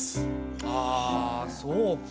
あそうか。